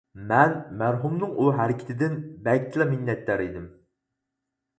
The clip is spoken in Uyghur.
مەن مەرھۇمنىڭ ئۇ ھەرىكىتىدىن بەكلا مىننەتدار ئىدىم.